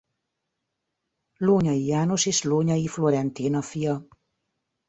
Lónyay János és Lónyay Florentina fia.